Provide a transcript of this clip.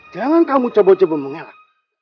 jangan kamu coba coba mengelak